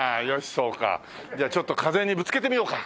じゃあちょっと風にぶつけてみようか！